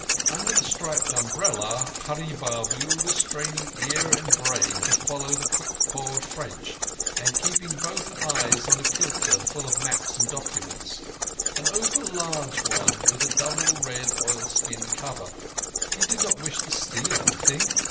Under the striped umbrella Hurree Babu was straining ear and brain to follow the quick poured French, and keeping both eyes on a kilta full of maps and documents—an extra large one with a double red oil skin cover. He did not wish to steal anything.